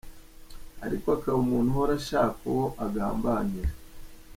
aliko akaba umuntu uhora ashaka uwo agambanira.